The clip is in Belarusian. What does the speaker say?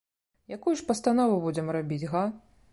Якую ж пастанову будзем рабіць, га?